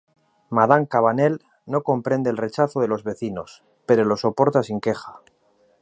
Madame Cabanel no comprende el rechazo de los vecinos, pero lo soporta sin queja.